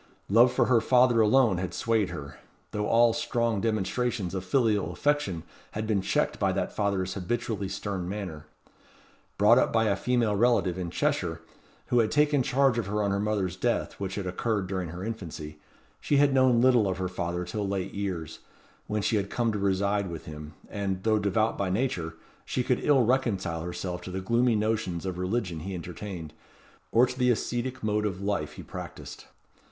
Love for her father alone had swayed her; though all strong demonstrations of filial affection had been checked by that father's habitually stern manner. Brought up by a female relative in Cheshire, who had taken charge of her on her mother's death, which had occurred during her infancy, she had known little of her father till late years, when she had come to reside with him, and, though devout by nature, she could ill reconcile herself to the gloomy notions of religion he entertained, or to the ascetic mode of life he practised.